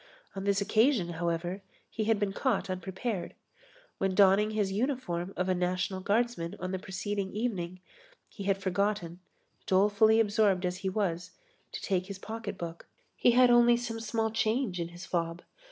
On this occasion, however, he had been caught unprepared. When donning his uniform of a National Guardsman on the preceding evening, he had forgotten, dolefully absorbed as he was, to take his pocket book. He had only some small change in his fob.